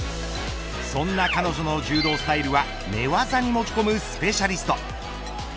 そんな彼女の柔道スタイルは寝技に持ち込むスペシャリスト。